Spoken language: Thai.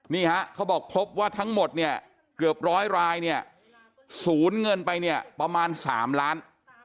นี่เขาบอกพบว่าทั้งหมดเกือบร้อยลายสูญเงินไปประมาณ๓ล้าน